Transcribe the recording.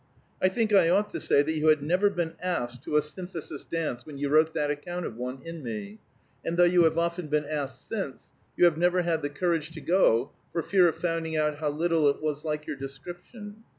I think I ought to say that you had never been asked to a Synthesis dance when you wrote that account of one in me; and though you have often been asked since, you have never had the courage to go for fear of finding out how little it was like your description.